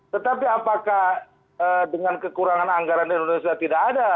tetapi apakah dengan kekurangan anggaran di indonesia tidak ada